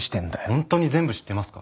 本当に全部知ってますか？